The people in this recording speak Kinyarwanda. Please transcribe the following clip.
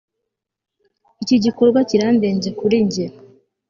Iki gikorwa kirandenze kuri njye